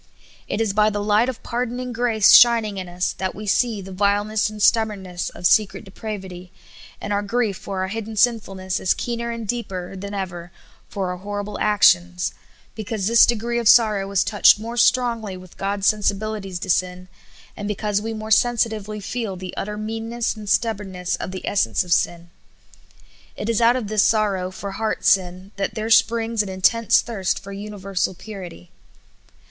It is by the light of pardoning grace shining in us that we see the vileness and stubbornness of secret depravity ; and our grief for our hidden sinfulness is keener and deeper than ever for our horrible actions, because this degree of sorrow is touched more strongly with God's sensibili ties to sin, and because we more sensitively feel the ut ter meanness and stubbornness of the essence of sin. It is out of this sorrow for heart sin that there springs an intense thirst for universal purity.